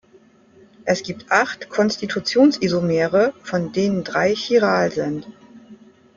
Es gibt acht Konstitutionsisomere, von denen drei chiral sind.